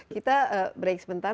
kita break sebentar